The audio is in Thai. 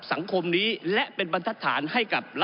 ก็ได้มีการอภิปรายในภาคของท่านประธานที่กรกครับ